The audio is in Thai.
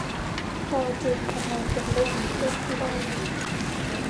เราจึงทำงานเป็นเล่น เล่นให้ได้งาน